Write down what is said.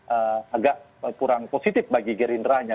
agak kurang positif bagi gerindranya